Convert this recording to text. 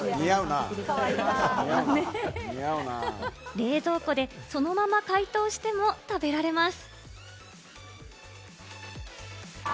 冷蔵庫でそのまま解凍しても食べられます。